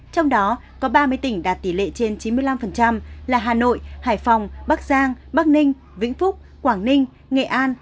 trong đó có ba mươi tỉnh đạt tỷ lệ trên chín mươi năm là hà nội hải phòng bắc giang bắc ninh vĩnh phúc quảng ninh nghệ an